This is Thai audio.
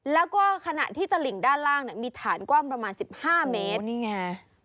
แล้วก็ขณะที่ตะหลิงด้านล่างมีฐานกว้างประมาณ๑๕เมตร